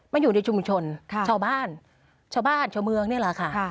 มันอยู่ในชุมชนชาวบ้านชาวบ้านชาวเมืองนี่แหละค่ะค่ะ